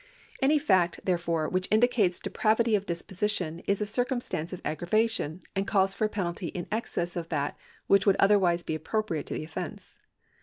Any fact, therefore, which indicates depravity of disposi tion is a circumstance of aggravation, and calls for a penalty in excess of that Avhioh w'ould otherwise bo a))pro])riate to the offence.